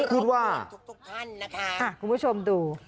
คือว่ารบกวนทุกท่านนะคะคุณผู้ชมดู